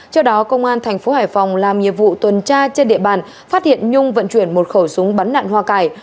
công an thành phố hải phòng làm nhiệm vụ tuần tra trên địa bàn phát hiện nhung vận chuyển một khẩu súng bắn nạn hoa cải